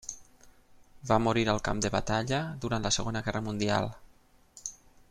Va morir al camp de batalla durant la Segona Guerra Mundial.